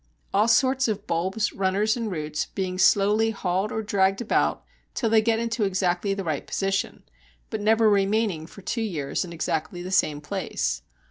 All sorts of bulbs, runners, and roots being slowly hauled or dragged about till they get into exactly the right position, but never remaining for two years in exactly the same place.